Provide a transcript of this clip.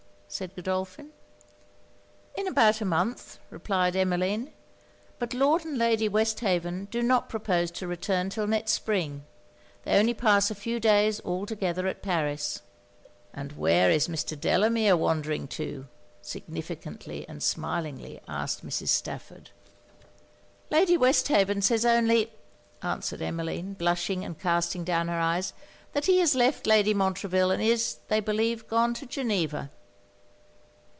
said Godolphin. 'In about a month,' replied Emmeline. 'But Lord and Lady Westhaven do not propose to return 'till next spring they only pass a few days all together at Paris.' 'And where is Mr. Delamere wandering to?' significantly and smilingly asked Mrs. Stafford. 'Lady Westhaven says only,' answered Emmeline, blushing and casting down her eyes, 'that he has left Lady Montreville, and is, they believe, gone to Geneva.'